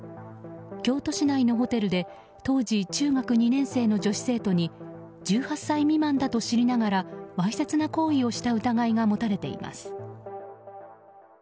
京都市内のホテルで当時中学２年生の女子生徒に１８歳未満だと知りながらわいせつな行為をした疑いが持たれています。